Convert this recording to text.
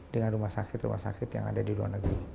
dengan rumah sakit rumah sakit yang ada di luar negeri